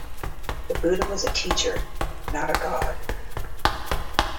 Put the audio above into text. The Buddha was a teacher, not a god.